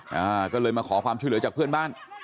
อ่าก็เลยมาขอความช่วยเหลือจากเพื่อนบ้าน